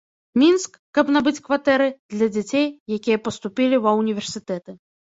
Мінск, каб набыць кватэры, для дзяцей, якія паступілі ва ўніверсітэты.